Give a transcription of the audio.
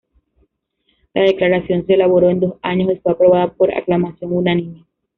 La Declaración se elaboró en dos años y fue aprobada por aclamación unánime.